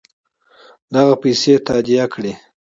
دغه پیسې تادیه کړي.